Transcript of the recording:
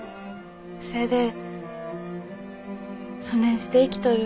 せえでそねんして生きとる